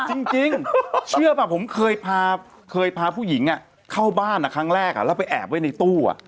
จริงเชื่อป่ะผมเคยพาผู้หญิงเข้าบ้านครั้งแรกแล้วไปแอบไว้ในตู้